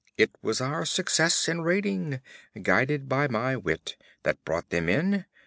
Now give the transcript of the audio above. It was our success at raiding, guided by my wit, that brought them in.